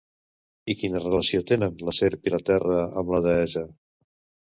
I quina relació tenen la serp i la terra amb la deessa?